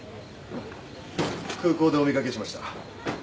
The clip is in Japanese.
空港でお見掛けしました。